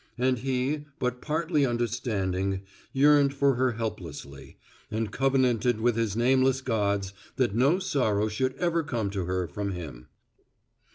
And he, but partly understanding, yearned for her helplessly, and covenanted with his nameless gods that no sorrow should ever come to her from him.